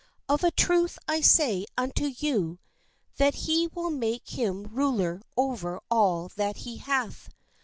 Of a truth I say unto you, that he will make him ruler over all that he hath.